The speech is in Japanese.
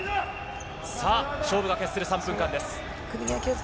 勝負が決する３分間です。